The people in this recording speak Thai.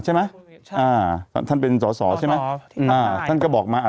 ใช่ไหมใช่อ่าท่านเป็นสอสอใช่ไหมอ๋ออ่าท่านก็บอกมาอ่า